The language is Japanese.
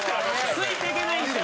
ついていけないんですよ。